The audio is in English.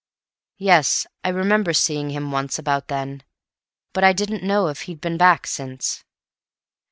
"Yes, I remember seeing him once about then, but I didn't know if he had been back since."